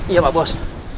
iya pak bos